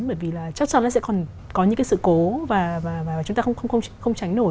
bởi vì là chắc chắn nó sẽ còn có những cái sự cố và chúng ta không tránh nổi